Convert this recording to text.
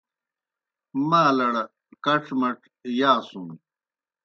مالڑ کڇ مڇ یاسُن۔